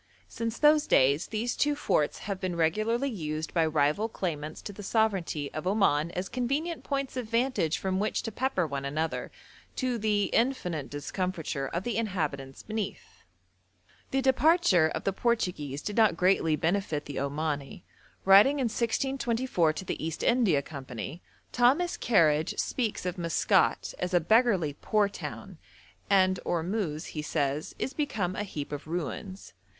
Since those days these two forts have been regularly used by rival claimants to the sovereignty of Oman as convenient points of vantage from which to pepper one another, to the infinite discomfiture of the inhabitants beneath. The departure of the Portuguese did not greatly benefit the Omani. Writing in 1624 to the East India Company, Thomas Kerridge speaks of Maskat as 'a beggarly, poor town,' and 'Ormusz,' he says, 'is become a heap of ruins.'